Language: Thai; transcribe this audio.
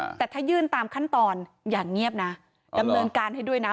อืมแต่ถ้ายื่นตามขั้นตอนอย่างเงียบนะดำเนินการให้ด้วยนะ